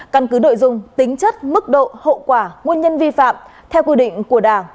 căn cứ nội dung tính chất mức độ hậu quả nguồn nhân vi phạm theo quy định của đảng